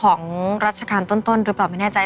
ของรัชกาลต้นหรือเปล่าไม่แน่ใจ